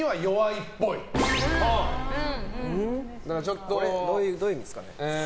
一番下どういう意味ですかね。